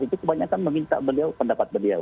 itu kebanyakan meminta beliau pendapat beliau